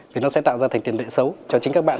vì nó sẽ tạo ra thành tiền tệ xấu cho chính các bạn